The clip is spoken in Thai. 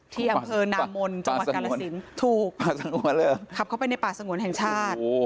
ที่อำเภอนามมลจังหวัดกรสินถูกขับเข้าไปในป่าสงวนแห่งชาติ